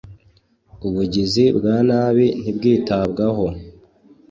Ubugizi bwa nabi ntibwitabwaho